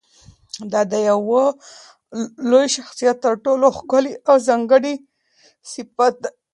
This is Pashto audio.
دا د یوه لوی شخصیت تر ټولو ښکلی او ځانګړی صفت دی.